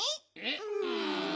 うん。